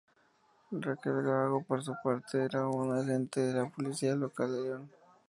Raquel Gago, por su parte, era una agente de la policía local de León.